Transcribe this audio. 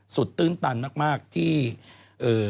ศูนย์ตื้นตันมากที่